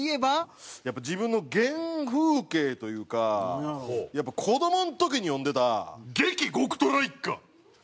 やっぱ自分の原風景というか子どもの時に読んでた『激！！極虎一家』。